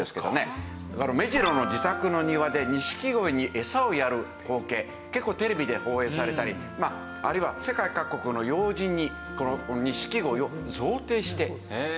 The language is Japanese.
目白の自宅の庭で錦鯉にエサをやる光景結構テレビで放映されたりあるいは世界各国の要人にこの錦鯉を贈呈して。